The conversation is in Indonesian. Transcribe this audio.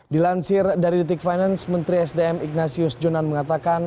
dilansir dari detik finance menteri sdm ignatius jonan mengatakan